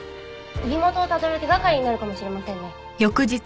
身元をたどる手掛かりになるかもしれませんね。